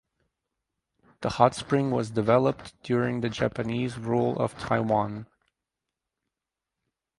The hot spring was developed during the Japanese rule of Taiwan.